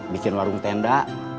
bikin warung tenda